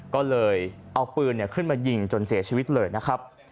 ก็เลยเอาปืนขึ้นมายิงจนเสียชีวิตเลยนะครับ